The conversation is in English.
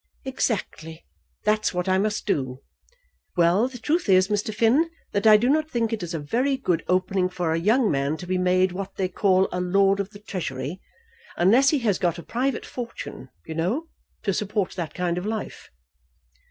"Exactly. That's what I must do. Well, the truth is, Mr. Finn, that I do not think it is a very good opening for a young man to be made what they call a Lord of the Treasury, unless he has got a private fortune, you know, to support that kind of life."